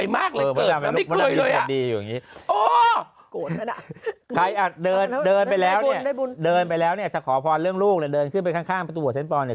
แม่งผ่กป